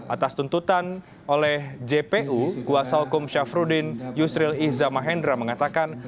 atas tuntutan oleh jpu kuasa hukum syafruddin yusril iza mahendra mengatakan